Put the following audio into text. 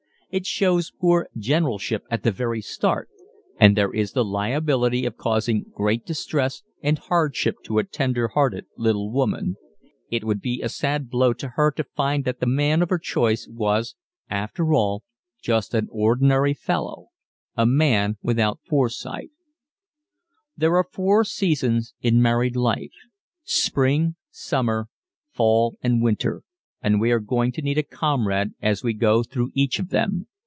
It shows poor generalship at the very start and there is the liability of causing great distress and hardship to a tender hearted little woman. It would be a sad blow to her to find that the man of her choice was, after all, just an ordinary fellow a man without foresight. There are four seasons in married life spring, summer, fall and winter, and we are going to need a comrade as we go through each of them.